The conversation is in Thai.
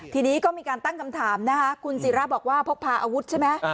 ทีนี้ก็มีการตั้งคำถามนะคะคุณศิราบอกว่าพกพาอาวุธใช่ไหม